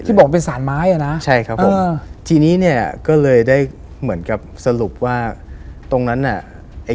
บอกว่าเป็นสารไม้อ่ะนะใช่ครับผมทีนี้เนี่ยก็เลยได้เหมือนกับสรุปว่าตรงนั้นน่ะไอ้